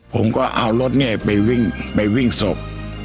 ผมก็เอารถเนี่ยไปวิ่งไปวิ่งศพ